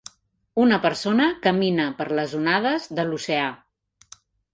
Una persona camina per les onades de l'oceà.